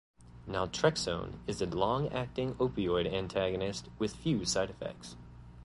Naltrexone is a long-acting opioid antagonist with few side effects.